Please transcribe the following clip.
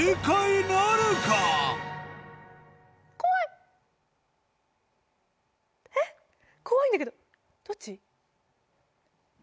怖いんだけどどっち？